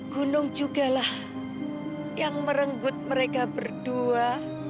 gunung juga lah yang merenggut mereka berdua